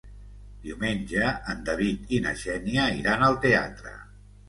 Diumenge en David i na Xènia iran al teatre.